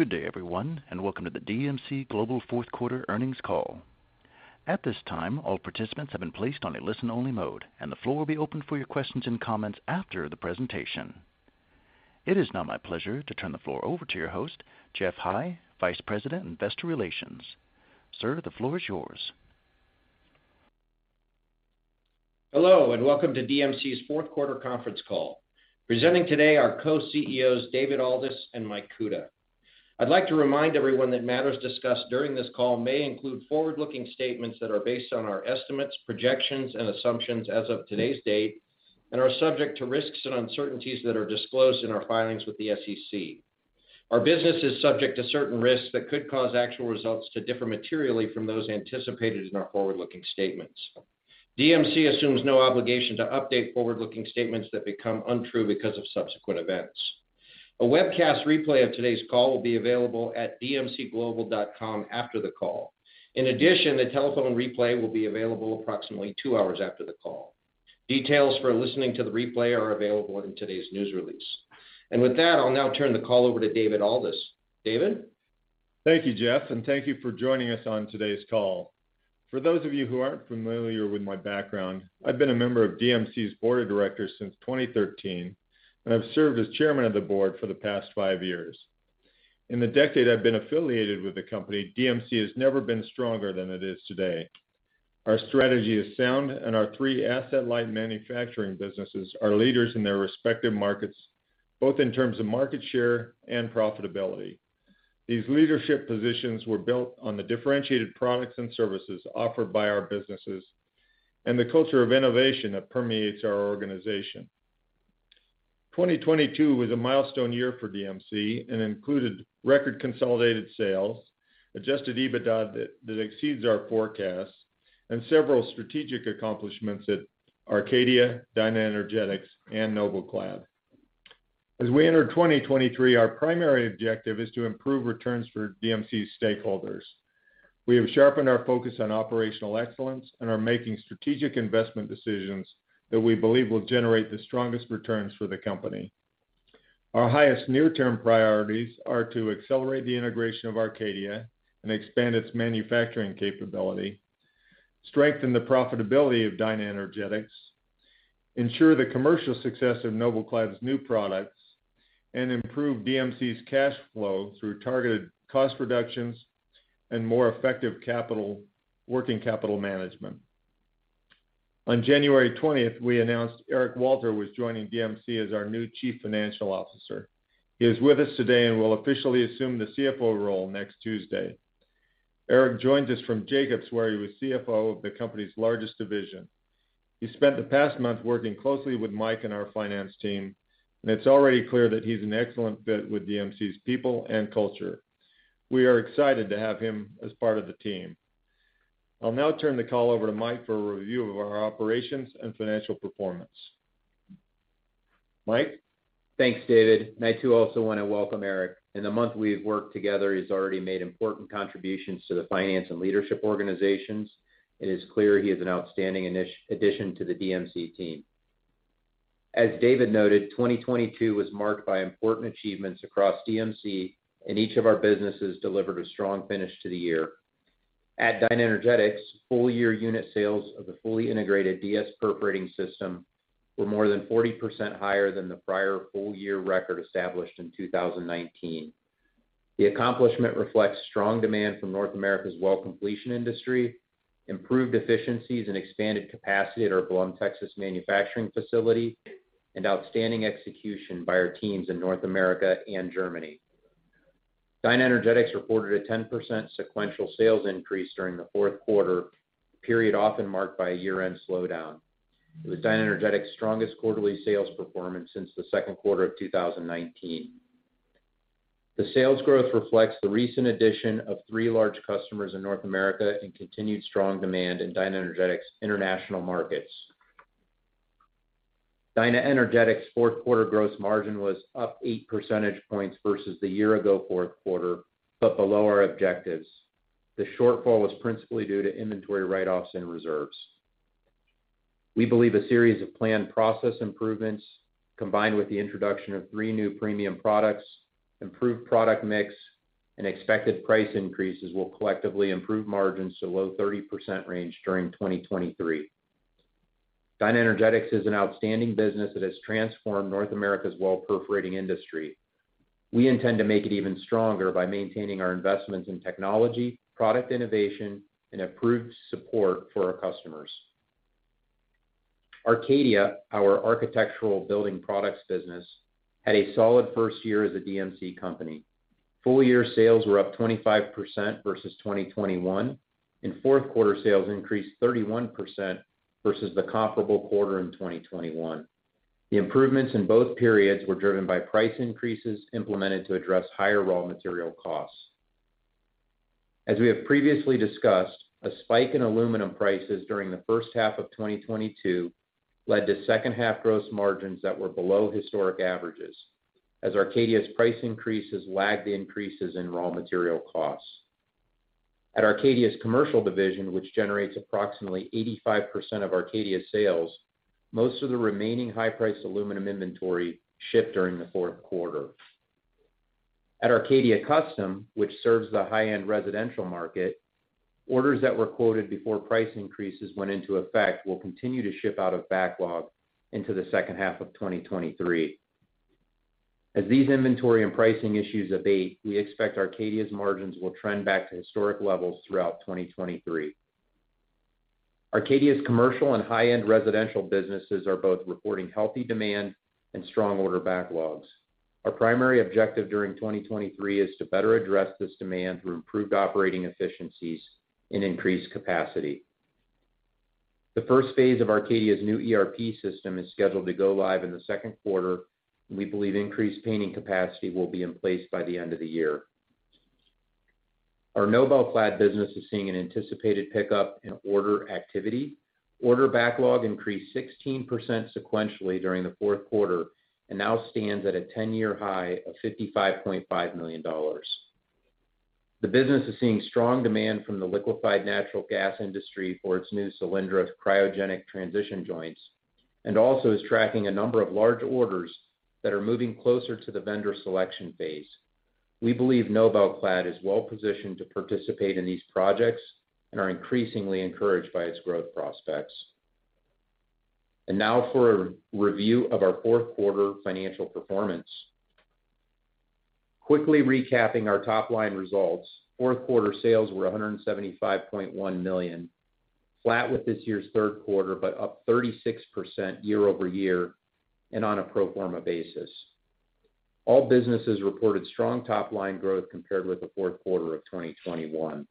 Good day, everyone, and welcome to the DMC Global fourth quarter earnings call. At this time, all participants have been placed on a listen-only mode, and the floor will be open for your questions and comments after the presentation. It is now my pleasure to turn the floor over to your host, Geoff High, Vice President, Investor Relations. Sir, the floor is yours. Hello, welcome to DMC's fourth quarter conference call. Presenting today, our Co-CEOs, David Aldous and Mike Kuta. I'd like to remind everyone that matters discussed during this call may include forward-looking statements that are based on our estimates, projections, and assumptions as of today's date, and are subject to risks and uncertainties that are disclosed in our filings with the SEC. Our business is subject to certain risks that could cause actual results to differ materially from those anticipated in our forward-looking statements. DMC assumes no obligation to update forward-looking statements that become untrue because of subsequent events. A webcast replay of today's call will be available at dmcglobal.com after the call. In addition, a telephone replay will be available approximately two hours after the call. Details for listening to the replay are available in today's news release. With that, I'll now turn the call over to David Aldous. David? Thank you, Geoff, and thank you for joining us on today's call. For those of you who aren't familiar with my background, I've been a member of DMC's Board of Directors since 2013, and I've served as Chairman of the Board for the past five years. In the decade I've been affiliated with the company, DMC has never been stronger than it is today. Our strategy is sound, and our three asset-light manufacturing businesses are leaders in their respective markets, both in terms of market share and profitability. These leadership positions were built on the differentiated products and services offered by our businesses, and the culture of innovation that permeates our organization. 2022 was a milestone year for DMC and included record consolidated sales, adjusted EBITDA that exceeds our forecasts, and several strategic accomplishments at Arcadia, DynaEnergetics, and NobelClad. As we enter 2023, our primary objective is to improve returns for DMC stakeholders. We have sharpened our focus on operational excellence and are making strategic investment decisions that we believe will generate the strongest returns for the company. Our highest near-term priorities are to accelerate the integration of Arcadia and expand its manufacturing capability, strengthen the profitability of DynaEnergetics, ensure the commercial success of NobelClad's new products, and improve DMC's cash flow through targeted cost reductions and more effective working capital management. On January 20th, we announced Eric Walter was joining DMC as our new chief financial officer. He is with us today and will officially assume the CFO role next Tuesday. Eric joins us from Jacobs, where he was CFO of the company's largest division. He spent the past month working closely with Mike and our finance team. It's already clear that he's an excellent fit with DMC's people and culture. We are excited to have him as part of the team. I'll now turn the call over to Mike for a review of our operations and financial performance. Mike? Thanks, David. I, too, also want to welcome Eric. In the month we've worked together, he's already made important contributions to the finance and leadership organizations. It is clear he is an outstanding addition to the DMC team. As David noted, 2022 was marked by important achievements across DMC, and each of our businesses delivered a strong finish to the year. At DynaEnergetics, full year unit sales of the fully integrated DS perforating system were more than 40% higher than the prior full year record established in 2019. The accomplishment reflects strong demand from North America's well completion industry, improved efficiencies and expanded capacity at our Blum, Texas, manufacturing facility, and outstanding execution by our teams in North America and Germany. DynaEnergetics reported a 10% sequential sales increase during the fourth quarter, a period often marked by a year-end slowdown. It was DynaEnergetics' strongest quarterly sales performance since the second quarter of 2019. The sales growth reflects the recent addition of three large customers in North America and continued strong demand in DynaEnergetics' international markets. DynaEnergetics' fourth quarter gross margin was up 8 percentage points versus the year ago fourth quarter, but below our objectives. The shortfall was principally due to inventory write-offs and reserves. We believe a series of planned process improvements, combined with the introduction of three new premium products, improved product mix, and expected price increases will collectively improve margins to low 30% range during 2023. DynaEnergetics is an outstanding business that has transformed North America's well perforating industry. We intend to make it even stronger by maintaining our investments in technology, product innovation, and improved support for our customers. Arcadia, our architectural building products business, had a solid first year as a DMC company. Full year sales were up 25% versus 2021. Fourth quarter sales increased 31% versus the comparable quarter in 2021. The improvements in both periods were driven by price increases implemented to address higher raw material costs. As we have previously discussed, a spike in aluminum prices during the first half of 2022 led to second half gross margins that were below historic averages as Arcadia's price increases lagged the increases in raw material costs. At Arcadia's commercial division, which generates approximately 85% of Arcadia's sales, most of the remaining high-priced aluminum inventory shipped during the fourth quarter. At Arcadia Custom, which serves the high-end residential market, orders that were quoted before price increases went into effect will continue to ship out of backlog into the second half of 2023. As these inventory and pricing issues abate, we expect Arcadia's margins will trend back to historic levels throughout 2023. Arcadia's commercial and high-end residential businesses are both reporting healthy demand and strong order backlogs. Our primary objective during 2023 is to better address this demand through improved operating efficiencies and increased capacity. The first phase of Arcadia's new ERP system is scheduled to go live in the second quarter. We believe increased painting capacity will be in place by the end of the year. Our NobelClad business is seeing an anticipated pickup in order activity. Order backlog increased 16% sequentially during the fourth quarter and now stands at a 10-year high of $55.5 million. The business is seeing strong demand from the liquefied natural gas industry for its new Cylindra cryogenic transition joints. Also is tracking a number of large orders that are moving closer to the vendor selection phase. We believe NobelClad is well-positioned to participate in these projects and are increasingly encouraged by its growth prospects. Now for a review of our fourth quarter financial performance. Quickly recapping our top-line results, fourth quarter sales were $175.1 million, flat with this year's third quarter, but up 36% year-over-year and on a pro forma basis. All businesses reported strong top-line growth compared with the fourth quarter of 2021.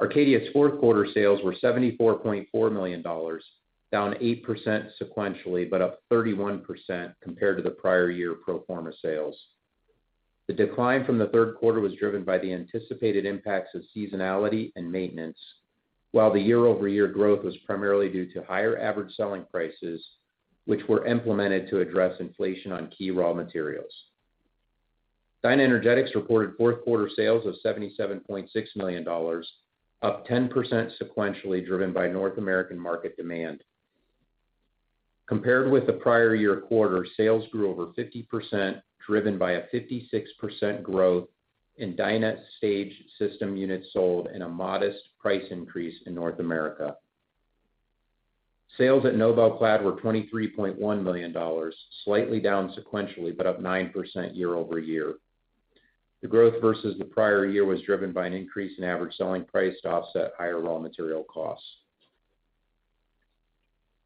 Arcadia's fourth quarter sales were $74.4 million, down 8% sequentially, up 31% compared to the prior year pro forma sales. The decline from the third quarter was driven by the anticipated impacts of seasonality and maintenance, while the year-over-year growth was primarily due to higher average selling prices, which were implemented to address inflation on key raw materials. DynaEnergetics reported fourth quarter sales of $77.6 million, up 10% sequentially, driven by North American market demand. Compared with the prior year quarter, sales grew over 50%, driven by a 56% growth in DynaStage system units sold and a modest price increase in North America. Sales at NobelClad were $23.1 million, slightly down sequentially, up 9% year-over-year. The growth versus the prior year was driven by an increase in average selling price to offset higher raw material costs.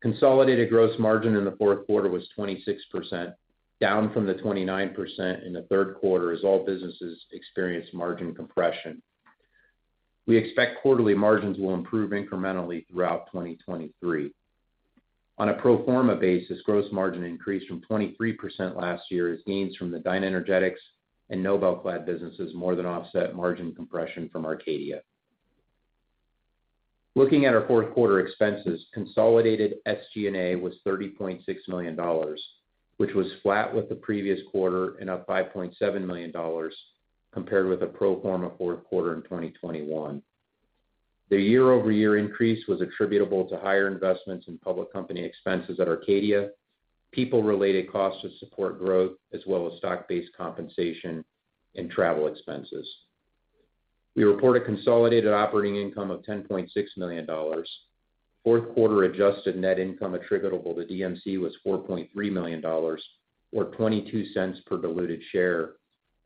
Consolidated gross margin in the fourth quarter was 26%, down from the 29% in the third quarter as all businesses experienced margin compression. We expect quarterly margins will improve incrementally throughout 2023. On a pro forma basis, gross margin increased from 23% last year as gains from the DynaEnergetics and NobelClad businesses more than offset margin compression from Arcadia. Looking at our fourth quarter expenses, consolidated SG&A was $30.6 million, which was flat with the previous quarter and up $5.7 million compared with the pro forma fourth quarter in 2021. The year-over-year increase was attributable to higher investments in public company expenses at Arcadia, people-related costs to support growth, as well as stock-based compensation and travel expenses. We report a consolidated operating income of $10.6 million. Fourth quarter adjusted net income attributable to DMC was $4.3 million or $0.22 per diluted share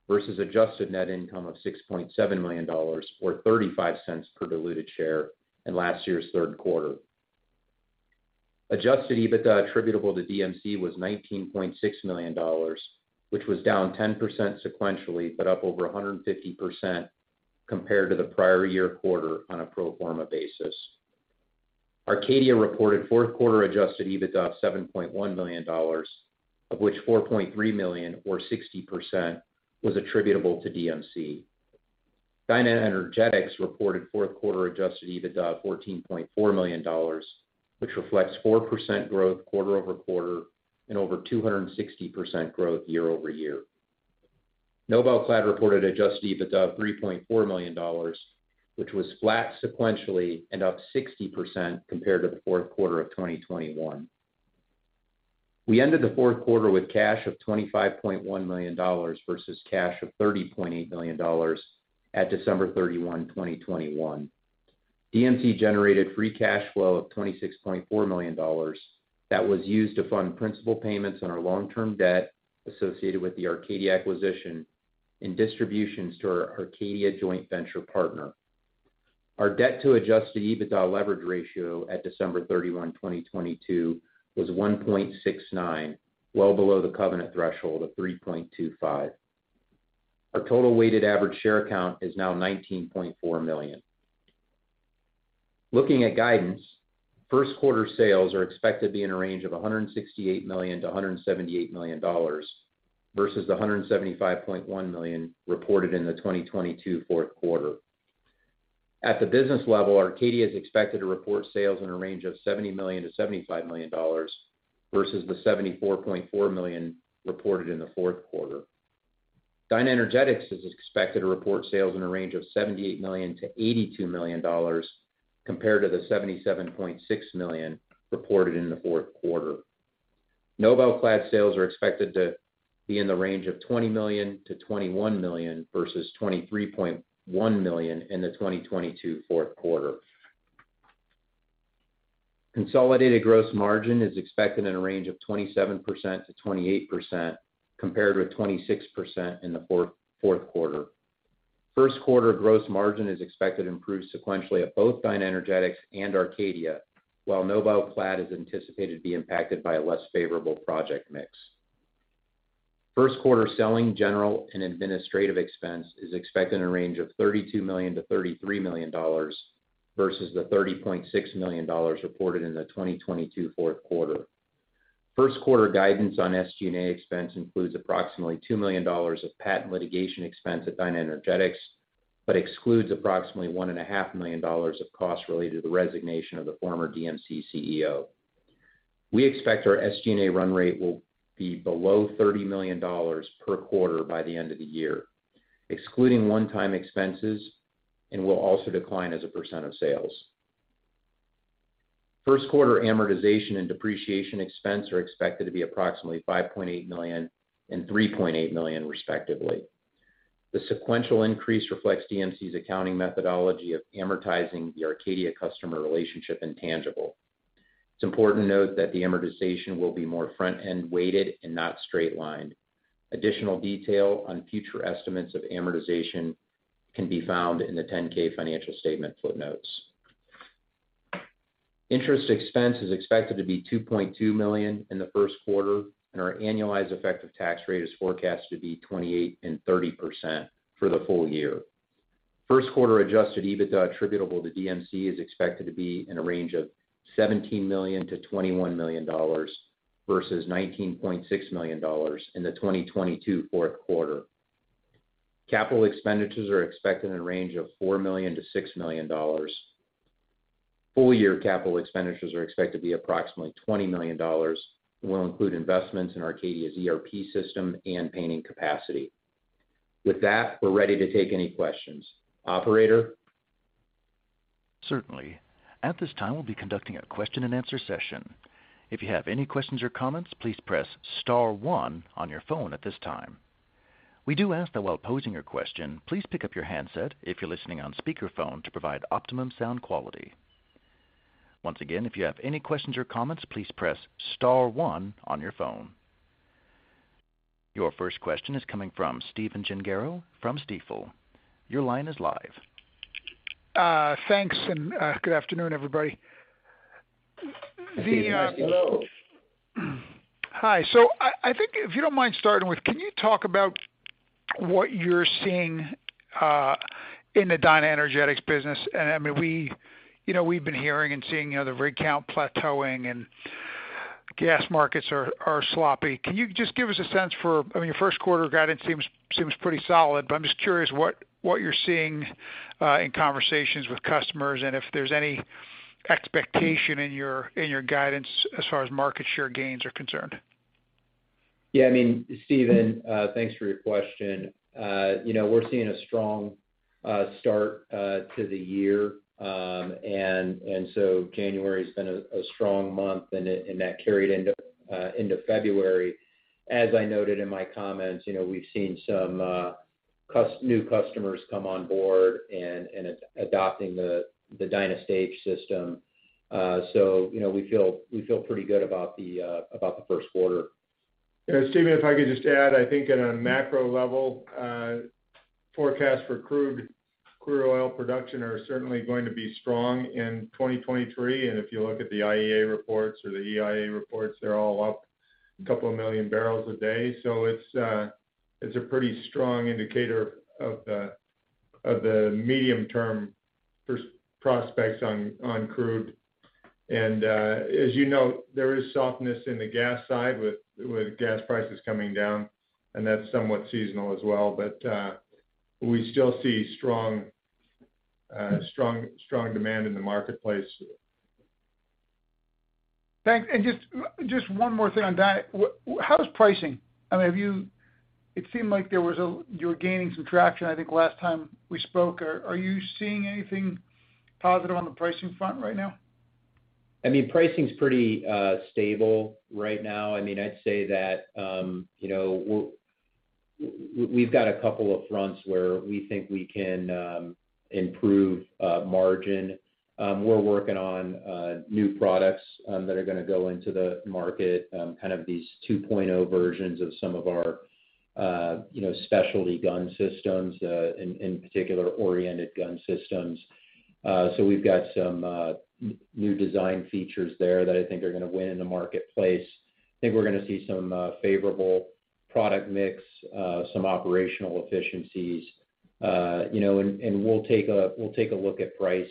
versus adjusted net income of $6.7 million or $0.35 per diluted share in last year's third quarter. Adjusted EBITDA attributable to DMC was $19.6 million, which was down 10% sequentially, up over 150% compared to the prior year quarter on a pro forma basis. Arcadia reported fourth quarter adjusted EBITDA of $7.1 million, of which $4.3 million or 60% was attributable to DMC. DynaEnergetics reported fourth quarter adjusted EBITDA of $14.4 million, which reflects 4% growth quarter-over-quarter and over 260% growth year-over-year. NobelClad reported adjusted EBITDA of $3.4 million, which was flat sequentially and up 60% compared to the fourth quarter of 2021. We ended the fourth quarter with cash of $25.1 million versus cash of $30.8 million at December 31, 2021. DMC generated free cash flow of $26.4 million that was used to fund principal payments on our long-term debt associated with the Arcadia acquisition and distributions to our Arcadia joint venture partner. Our debt to adjusted EBITDA leverage ratio at December 31, 2022 was 1.69, well below the covenant threshold of 3.25. Our total weighted average share count is now 19.4 million. Looking at guidance, first quarter sales are expected to be in a range of $168 million-$178 million versus the $175.1 million reported in the 2022 fourth quarter. At the business level, Arcadia is expected to report sales in a range of $70 million-$75 million versus the $74.4 million reported in the fourth quarter. DynaEnergetics is expected to report sales in a range of $78 million-$82 million compared to the $77.6 million reported in the fourth quarter. NobelClad sales are expected to be in the range of $20 million-$21 million versus $23.1 million in the 2022 fourth quarter. Consolidated gross margin is expected in a range of 27%-28% compared with 26% in the fourth quarter. First quarter gross margin is expected to improve sequentially at both DynaEnergetics and Arcadia, while NobelClad is anticipated to be impacted by a less favorable project mix. First quarter selling, general, and administrative expense is expected in a range of $32 million-$33 million versus the $30.6 million reported in the 2022 fourth quarter. First quarter guidance on SG&A expense includes approximately $2 million of patent litigation expense at DynaEnergetics, but excludes approximately one and a half million dollars of costs related to the resignation of the former DMC CEO. We expect our SG&A run rate will be below $30 million per quarter by the end of the year, excluding one-time expenses, and will also decline as a % of sales. First quarter amortization and depreciation expense are expected to be approximately $5.8 million and $3.8 million, respectively. The sequential increase reflects DMC's accounting methodology of amortizing the Arcadia customer relationship intangible. It's important to note that the amortization will be more front-end weighted and not straight-lined. Additional detail on future estimates of amortization can be found in the 10-K financial statement footnotes. Interest expense is expected to be $2.2 million in the first quarter, and our annualized effective tax rate is forecast to be 28%-30% for the full year. First quarter adjusted EBITDA attributable to DMC is expected to be in a range of $17 million-$21 million versus $19.6 million in the 2022 fourth quarter. Capital expenditures are expected in a range of $4 million-$6 million. Full year capital expenditures are expected to be approximately $20 million and will include investments in Arcadia's ERP system and painting capacity. With that, we're ready to take any questions. Operator? Certainly. At this time, we'll be conducting a question-and-answer session. If you have any questions or comments, please press star one on your phone at this time. We do ask that while posing your question, please pick up your handset if you're listening on speakerphone to provide optimum sound quality. Once again, if you have any questions or comments, please press star one on your phone. Your first question is coming from Stephen Gengaro from Stifel. Your line is live. Thanks, and, good afternoon, everybody. Good afternoon. The, Hello. Hi. I think if you don't mind starting with can you talk about what you're seeing in the DynaEnergetics business? I mean, we, you know, we've been hearing and seeing, you know, the rig count plateauing and gas markets are sloppy. Can you just give us a sense for... I mean, your first quarter guidance seems pretty solid, but I'm just curious what you're seeing in conversations with customers and if there's any expectation in your guidance as far as market share gains are concerned. Yeah, I mean, Stephen, thanks for your question. You know, we're seeing a strong start to the year. January's been a strong month, and that carried into February. As I noted in my comments, you know, we've seen some new customers come on board and it's adopting the DynaStage system. You know, we feel pretty good about the first quarter. Yeah, Stephen, if I could just add, I think at a macro level, forecast for crude oil production are certainly going to be strong in 2023. If you look at the IEA reports or the EIA reports, they're all up a couple of million barrels a day. It's a pretty strong indicator of the medium term prospects on crude. As you know, there is softness in the gas side with gas prices coming down, and that's somewhat seasonal as well. We still see strong demand in the marketplace. Thanks. Just one more thing on that. How does pricing... I mean, have you... It seemed like there was a you were gaining some traction, I think, last time we spoke. Are you seeing anything positive on the pricing front right now? I mean, pricing's pretty stable right now. I mean, I'd say that, you know, we've got a couple of fronts where we think we can improve margin. We're working on new products that are gonna go into the market, kind of these 2.0 versions of some of our, you know, specialty gun systems, in particular, oriented gun systems. We've got some new design features there that I think are gonna win in the marketplace. I think we're gonna see some favorable product mix, some operational efficiencies. You know, we'll take a look at price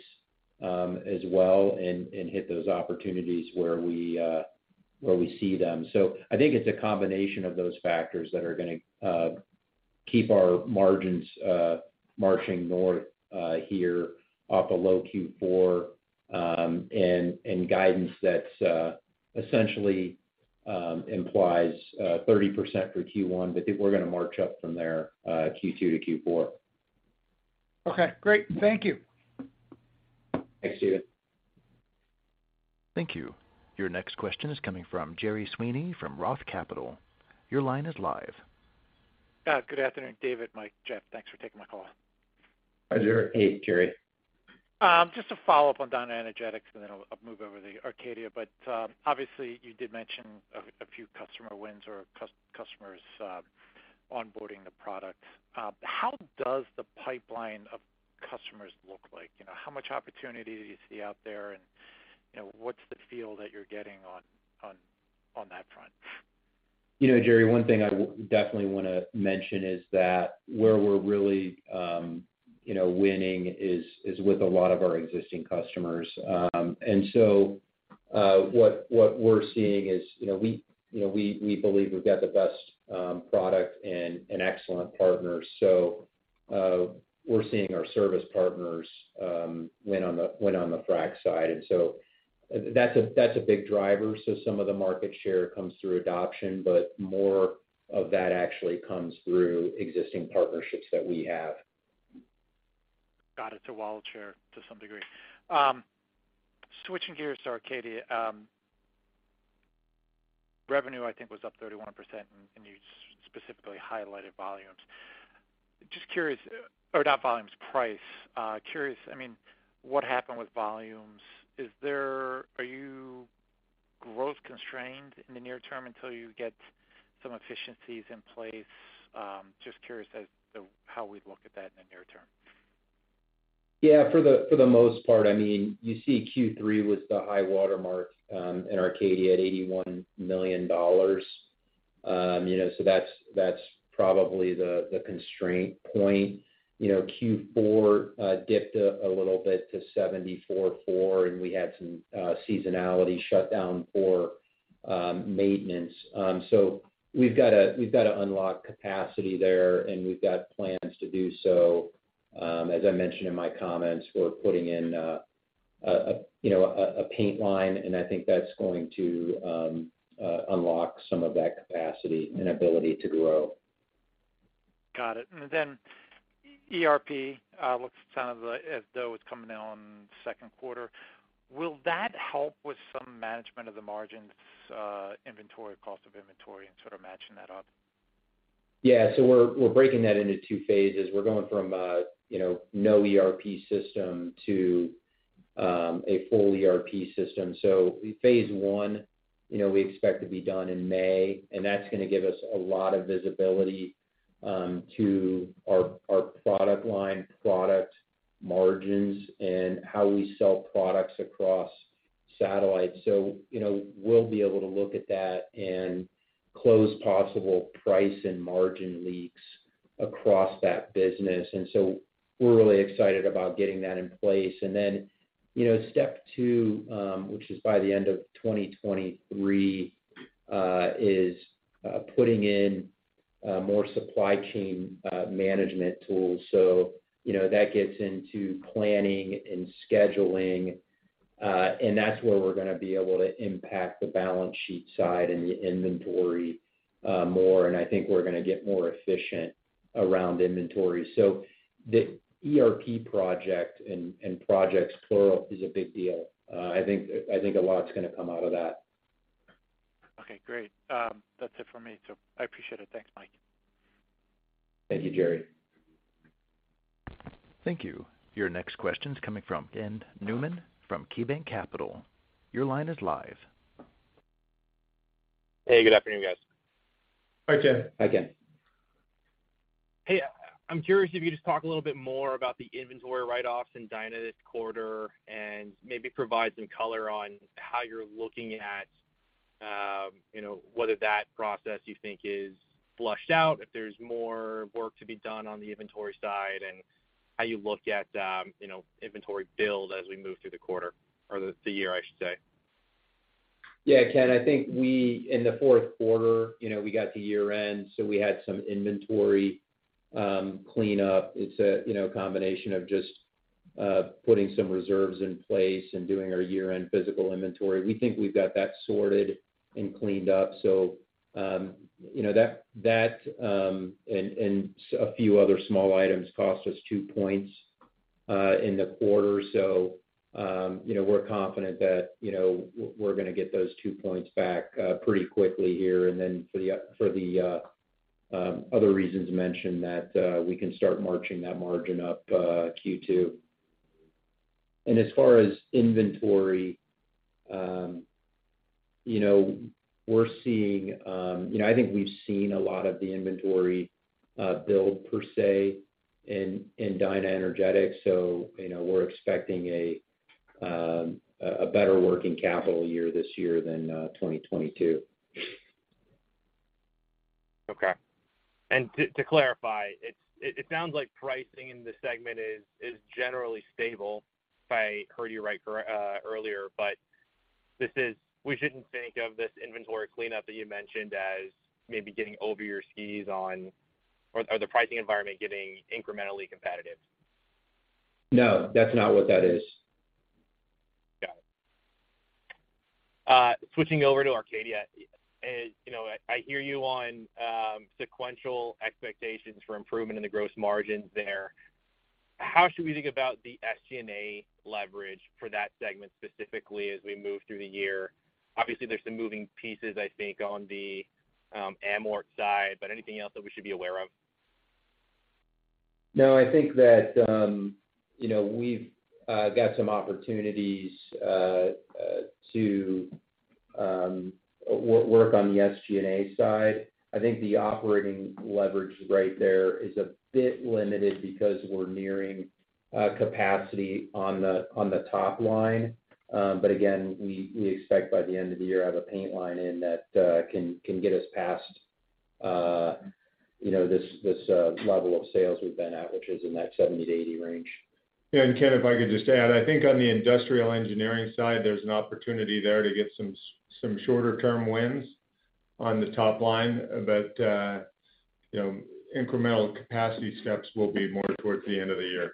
as well and hit those opportunities where we see them. I think it's a combination of those factors that are gonna keep our margins marching north here off a low Q4, and guidance that essentially implies 30% for Q1, but think we're gonna march up from there, Q2 to Q4. Okay, great. Thank you. Thanks, Stephen. Thank you. Your next question is coming from Gerry Sweeney from Roth Capital Partners. Your line is live. Good afternoon, David, Mike, Geoff. Thanks for taking my call. Hi, Gerry. Hey, Gerry. Just to follow up on DynaEnergetics, and then I'll move over to the Arcadia. Obviously, you did mention a few customer wins or customers onboarding the product. How does the pipeline of customers look like? You know, how much opportunity do you see out there? You know, what's the feel that you're getting on that front? You know, Gerry, one thing I definitely wanna mention is that where we're really, you know, winning is with a lot of our existing customers. What we're seeing is, you know, we believe we've got the best product and an excellent partner. We're seeing our service partners win on the frack side. That's a big driver. Some of the market share comes through adoption, but more of that actually comes through existing partnerships that we have. Got it. It's a wallet share to some degree. Switching gears to Arcadia. Revenue I think was up 31%, and you specifically highlighted volumes. Just curious, or not volumes, price. Curious, I mean, what happened with volumes? Are you growth constrained in the near term until you get some efficiencies in place? Just curious as to how we'd look at that in the near term. For the most part, I mean, you see Q3 was the high watermark in Arcadia at $81 million. You know, that's probably the constraint point. You know, Q4 dipped a little bit to $74.4 million, and we had some seasonality shut down for maintenance. We've gotta unlock capacity there, and we've got plans to do so. As I mentioned in my comments, we're putting in, you know, a paint line, and I think that's going to unlock some of that capacity and ability to grow. Got it. ERP sounds as though it's coming out in the second quarter. Will that help with some management of the margins, inventory, cost of inventory, and sort of matching that up? Yeah. We're, we're breaking that into two phases. We're going from, you know, no ERP system to a full ERP system. Phase I, you know, we expect to be done in May, and that's gonna give us a lot of visibility to our product line, product margins, and how we sell products across satellites. You know, we'll be able to look at that and close possible price and margin leaks across that business. We're really excited about getting that in place. You know, Step two, which is by the end of 2023, is putting in more supply chain management tools. You know, that gets into planning and scheduling, and that's where we're gonna be able to impact the balance sheet side and the inventory, more, and I think we're gonna get more efficient around inventory. The ERP project and projects plural is a big deal. I think a lot's gonna come out of that. Okay, great. That's it for me. I appreciate it. Thanks, Mike. Thank you, Gerry. Thank you. Your next question's coming from Ken Newman from KeyBanc Capital. Your line is live. Hey, good afternoon, guys. Hi, Ken. Hi, Ken. Hey, I'm curious if you could just talk a little bit more about the inventory write-offs in Dyna this quarter and maybe provide some color on how you're looking at, you know, whether that process you think is flushed out, if there's more work to be done on the inventory side, and how you look at, you know, inventory build as we move through the quarter or the year, I should say? Yeah, Ken. In the fourth quarter, you know, we got to year-end, so we had some inventory cleanup. It's a, you know, combination of just putting some reserves in place and doing our year-end physical inventory. We think we've got that sorted and cleaned up. That and a few other small items cost us two points in the quarter. You know, we're confident that we're gonna get those two points back pretty quickly here. Then for the other reasons mentioned that we can start marching that margin up Q2. As far as inventory, you know, we're seeing. You know, I think we've seen a lot of the inventory build per se in DynaEnergetics. you know, we're expecting a better working capital year this year than 2022. Okay. To clarify, it sounds like pricing in this segment is generally stable, if I heard you right earlier. This is, we shouldn't think of this inventory cleanup that you mentioned as maybe getting over your skis on or the pricing environment getting incrementally competitive. No, that's not what that is. Got it. switching over to Arcadia. you know, I hear you on sequential expectations for improvement in the gross margins there. How should we think about the SG&A leverage for that segment specifically as we move through the year? Obviously, there's some moving pieces, I think, on the amort side, but anything else that we should be aware of? No, I think that, you know, we've got some opportunities to work on the SG&A side. I think the operating leverage right there is a bit limited because we're nearing capacity on the, on the top line. But again, we expect by the end of the year to have a paint line in that can get us past, you know, this level of sales we've been at, which is in that $70-$80 range. Yeah. Ken, if I could just add, I think on the industrial engineering side, there's an opportunity there to get some shorter term wins on the top line. you know, incremental capacity steps will be more towards the end of the year.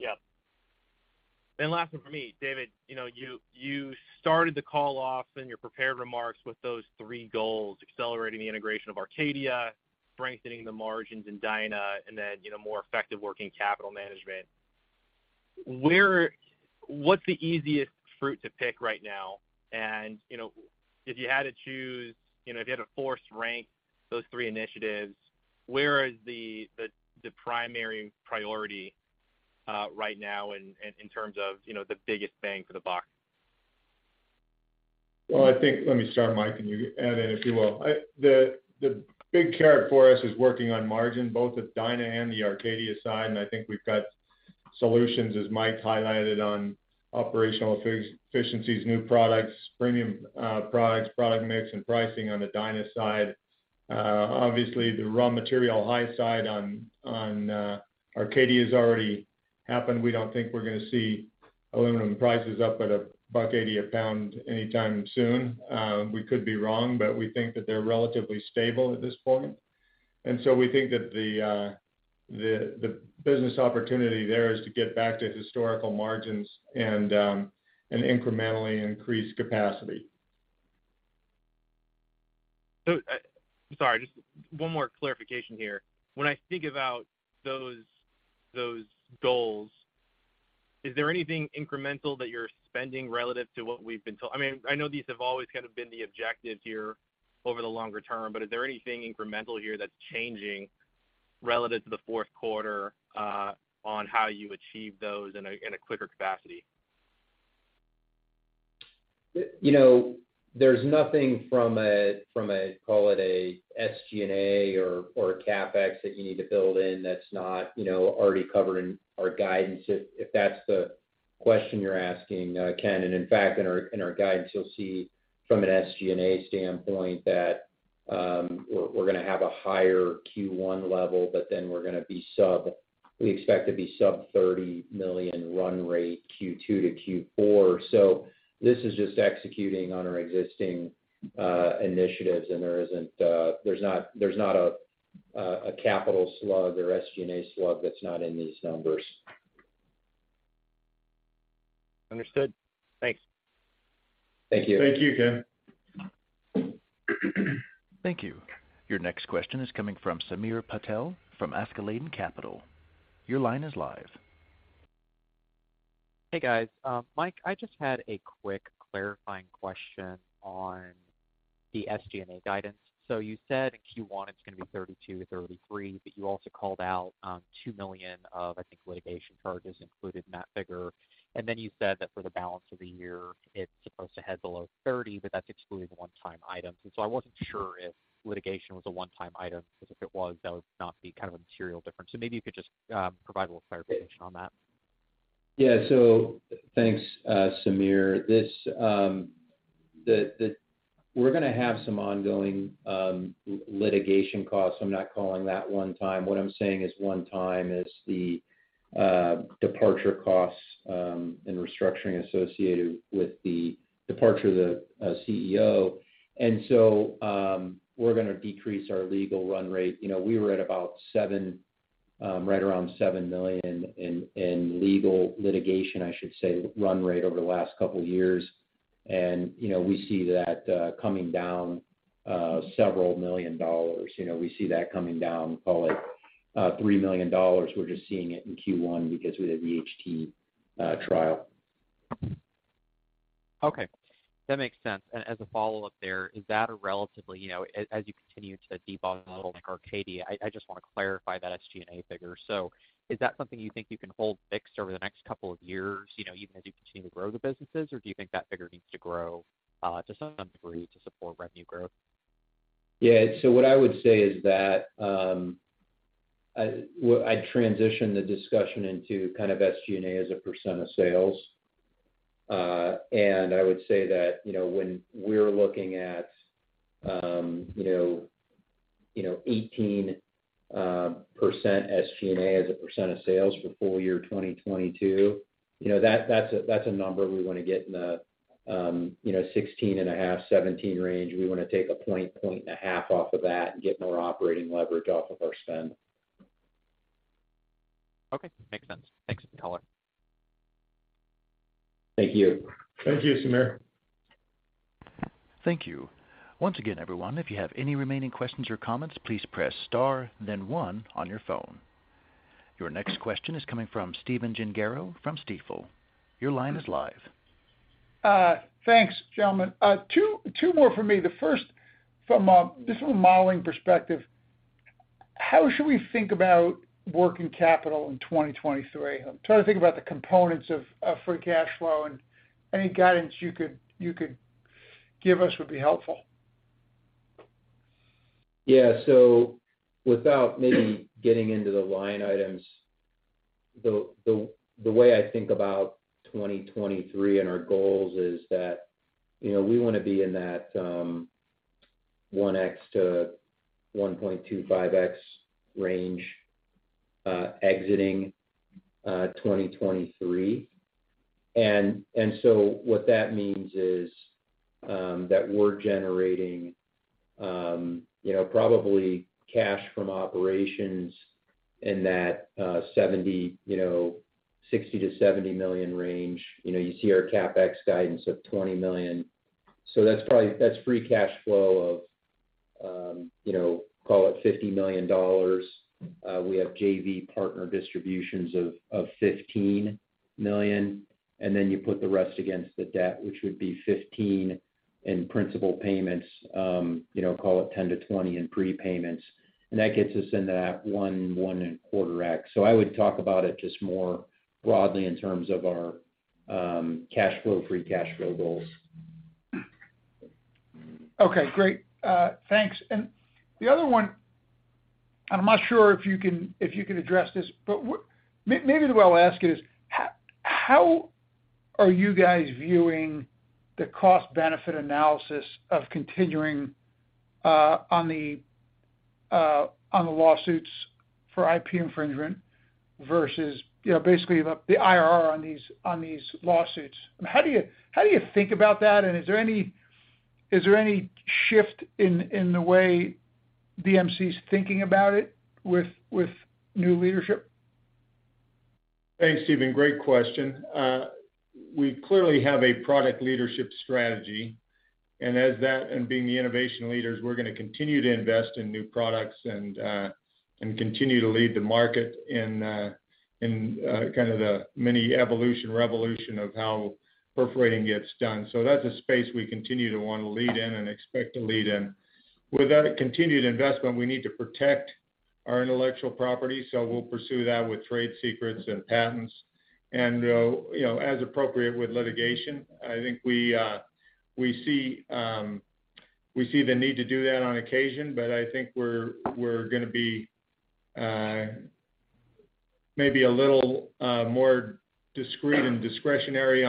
Yeah. Last one for me. David, you know, you started the call off in your prepared remarks with those three goals, accelerating the integration of Arcadia, strengthening the margins in Dyna, and then, you know, more effective working capital management. What's the easiest fruit to pick right now? You know, if you had to choose, you know, if you had to force rank those three initiatives, where is the primary priority right now in terms of, you know, the biggest bang for the buck? Well, I think let me start, Mike, and you add in, if you will. The, the big carrot for us is working on margin, both the DynaEnergetics and the Arcadia side. I think we've got solutions, as Mike Kuta highlighted, on operational efficiencies, new products, premium products, product mix and pricing on the DynaEnergetics side. Obviously the raw material high side on Arcadia has already happened. We don't think we're gonna see aluminum prices up at $1.80 a pound anytime soon. We could be wrong, but we think that they're relatively stable at this point. We think that the business opportunity there is to get back to historical margins and incrementally increase capacity. Sorry, just one more clarification here. When I think about those goals, is there anything incremental that you're spending relative to what we've been told? I mean, I know these have always kind of been the objectives here over the longer term, but is there anything incremental here that's changing relative to the fourth quarter on how you achieve those in a, in a quicker capacity? You know, there's nothing from a, from a, call it a SG&A or CapEx that you need to build in that's not, you know, already covered in our guidance, if that's the question you're asking, Ken. In fact, in our guidance, you'll see from an SG&A standpoint that we're gonna have a higher Q1 level, we expect to be sub $30 million run rate Q2 to Q4. This is just executing on our existing initiatives. There isn't, there's not a capital slug or SG&A slug that's not in these numbers. Understood. Thanks. Thank you. Thank you, Ken. Thank you. Your next question is coming from Samir Patel from Askeladden Capital. Your line is live. Hey, guys. Mike, I just had a quick clarifying question on the SG&A guidance. You said in Q1 it's gonna be $32 million-$33 million, but you also called out $2 million of, I think, litigation charges included in that figure. You said that for the balance of the year, it's supposed to head below $30 million, but that's excluding the one-time items. I wasn't sure if litigation was a one-time item, because if it was, that would not be kind of a material difference. Maybe you could just provide a little clarification on that. Yeah. Thanks, Samir. This, we're gonna have some ongoing litigation costs. I'm not calling that one time. What I'm saying is one time is the departure costs and restructuring associated with the departure of the CEO. We're gonna decrease our legal run rate. You know, we were at right around $7 million in legal litigation, I should say, run rate over the last couple of years. You know, we see that coming down several million dollars. You know, we see that coming down, call it, $3 million. We're just seeing it in Q1 because we had the HT trial. Okay. That makes sense. As a follow-up there, is that a relatively, you know, as you continue to debottleneck Arcadia, I just wanna clarify that SG&A figure. Is that something you think you can hold fixed over the next couple of years, you know, even as you continue to grow the businesses, or do you think that figure needs to grow to some degree to support revenue growth? Yeah. What I would say is that, I, well, I transition the discussion into kind of SG&A as a percent of sales. And I would say that, you know, 18% SG&A as a percent of sales for full year 2022, you know, that's a number we wanna get in the, you know, 16.5%-17% range. We wanna take 1 point, 1.5 points off of that and get more operating leverage off of our spend. Okay. Makes sense. Thanks for the color. Thank you. Thank you, Samir. Thank you. Once again, everyone, if you have any remaining questions or comments, please press Star, then one on your phone. Your next question is coming from Stephen Gengaro from Stifel. Your line is live. Thanks, gentlemen. two more for me. The first from, just from a modeling perspective, how should we think about working capital in 2023? I'm trying to think about the components of, free cash flow and any guidance you could give us would be helpful. Yeah. Without maybe getting into the line items, the way I think about 2023 and our goals is that, you know, we wanna be in that 1x to 1.25x range exiting 2023. What that means is that we're generating, you know, probably cash from operations in that $60 million-$70 million range. You know, you see our CapEx guidance of $20 million. That's free cash flow of, you know, call it $50 million. We have JV partner distributions of $15 million, and then you put the rest against the debt, which would be $15 million in principal payments, you know, call it $10 million-$20 million in prepayments. That gets us into that 1.25x. I would talk about it just more broadly in terms of our cash flow, free cash flow goals. Okay, great. Thanks. The other one, I'm not sure if you can address this, but maybe the way I'll ask is: How are you guys viewing the cost-benefit analysis of continuing on the lawsuits for IP infringement versus, you know, basically the IRR on these lawsuits? How do you think about that, and is there any shift in the way DMC's thinking about it with new leadership? Thanks, Stephen. Great question. We clearly have a product leadership strategy, and as that and being the innovation leaders, we're gonna continue to invest in new products and continue to lead the market in kind of the mini evolution, revolution of how perforating gets done. That's a space we continue to wanna lead in and expect to lead in. With that continued investment, we need to protect our intellectual property, so we'll pursue that with trade secrets and patents and, you know, as appropriate with litigation. I think we see the need to do that on occasion, I think we're gonna be maybe a little more discreet and discretionary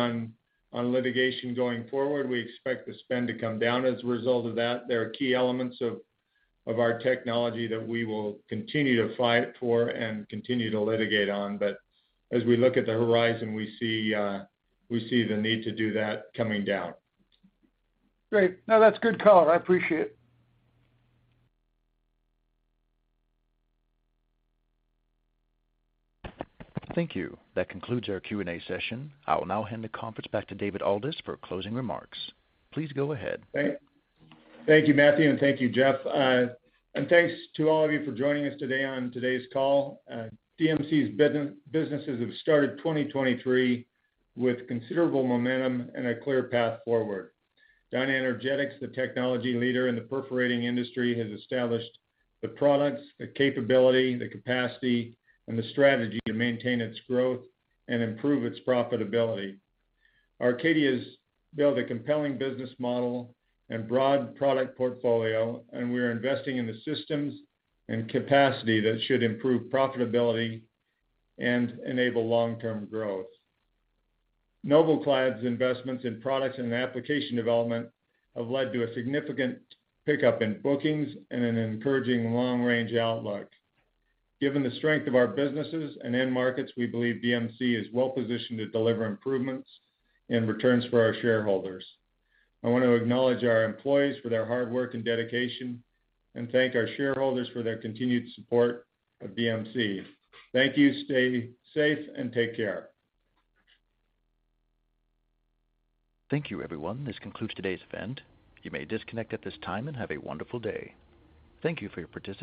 on litigation going forward. We expect the spend to come down as a result of that. There are key elements of our technology that we will continue to fight for and continue to litigate on. As we look at the horizon, we see the need to do that coming down. Great. No, that's good color. I appreciate it. Thank you. That concludes our Q&A session. I will now hand the conference back to David Aldous for closing remarks. Please go ahead. Thank you, Mike, and thank you, Geoff. Thanks to all of you for joining us today on today's call. DMC's businesses have started 2023 with considerable momentum and a clear path forward. DynaEnergetics, the technology leader in the perforating industry, has established the products, the capability, the capacity, and the strategy to maintain its growth and improve its profitability. Arcadia's built a compelling business model and broad product portfolio. We are investing in the systems and capacity that should improve profitability and enable long-term growth. NobelClad's investments in products and application development have led to a significant pickup in bookings and an encouraging long-range outlook. Given the strength of our businesses and end markets, we believe DMC is well positioned to deliver improvements and returns for our shareholders. I wanna acknowledge our employees for their hard work and dedication and thank our shareholders for their continued support of DMC. Thank you. Stay safe and take care. Thank you, everyone. This concludes today's event. You may disconnect at this time and have a wonderful day. Thank you for your participation.